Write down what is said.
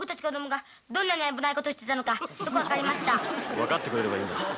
わかってくれればいいんだ。